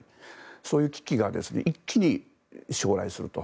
そういう危機が一気に招来すると。